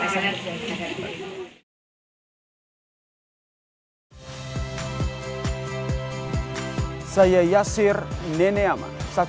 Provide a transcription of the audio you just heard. sangat dan hasilnya hanya baik